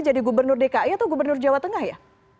jadi gubernur dki atau gubernur jawa tengah ya